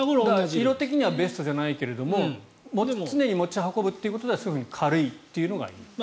色的にはベストじゃないけれど常に持ち運ぶということでは軽いというのがいい。